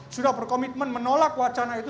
sudah berkomitmen menolak wacana itu